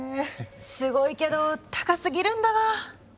すごいけど高すぎるんだわ。